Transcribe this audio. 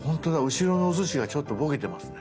後ろ側のおすしがちょっとボケてますね。